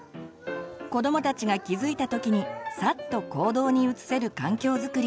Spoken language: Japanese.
子どもたちが気づいたときにさっと行動に移せる環境づくり